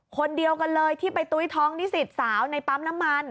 คนเดียวกันเลยที่ไปตุ้ยท้องนิสิตสาวในปั๊มน้ำมัน